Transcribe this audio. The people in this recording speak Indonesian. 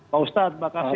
pak ustadz terima kasih